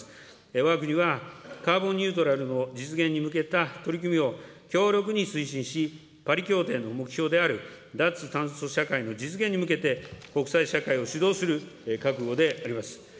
わが国はカーボンニュートラルの実現に向けた取り組みを強力に推進し、パリ協定の目標である脱炭素社会の実現に向けて、国際社会を主導する覚悟であります。